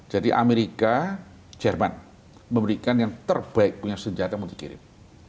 jadi amerika jerman memberikan yang terbaik punya senjata untuk dikirim